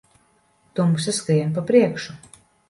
Tumsa skrien pa priekšu.